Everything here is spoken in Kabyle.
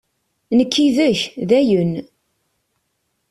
Nekk yid-k, dayen!